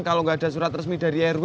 kalau nggak ada surat resmi dari rw